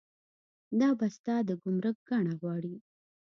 دا بسته د ګمرک ګڼه غواړي.